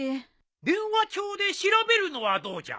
電話帳で調べるのはどうじゃ？